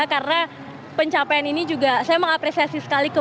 karena pencapaian ini juga saya mengapresiasi sekali